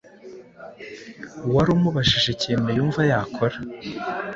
wari umubajije ikintu yumva yakora